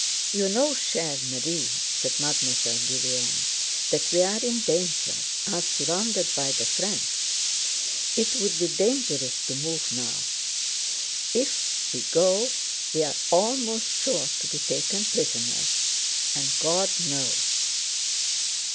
"You know, chère Marie," said Mademoiselle Bourienne, "that we are in danger—are surrounded by the French. It would be dangerous to move now. If we go we are almost sure to be taken prisoners, and God knows..."